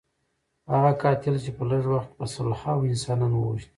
هغه قاتل چې په لږ وخت کې په سلهاوو انسانان وژني.